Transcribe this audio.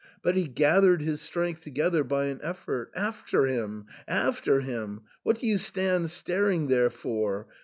But he gathered his strength together by an effort. " After him — after him ! What do you stand staring there for